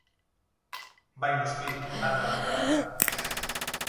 Bai noski, onargarria da.